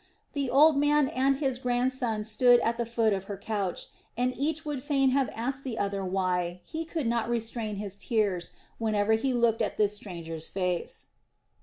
The old man and his grandson stood at the foot of her couch, and each would fain have asked the other why he could not restrain his tears whenever he looked at this stranger's face.